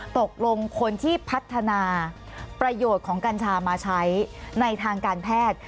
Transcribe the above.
ตกลงคนที่พัฒนาประโยชน์ของกัญชามาใช้ในทางการแพทย์